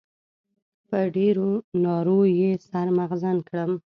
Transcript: په ډېرو نارو يې سر مغزن کړم.